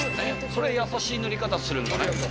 それやさしい塗り方するんだね。